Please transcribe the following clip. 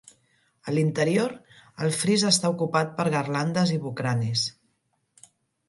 A l'interior, el fris està ocupat per garlandes i bucranis.